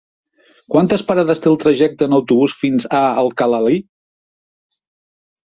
Quantes parades té el trajecte en autobús fins a Alcalalí?